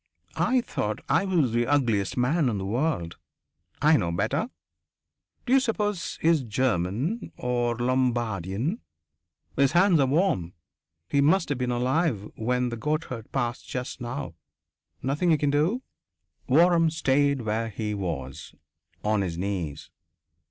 I thought I was the ugliest man in the world. I know better... D'you suppose he's German, or Lombardian? His hands are warm. He must have been alive when the goatherd passed just now. Nothing you can do?" Waram stayed where he was, on his knees.